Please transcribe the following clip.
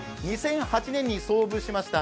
２００８年に創部しました、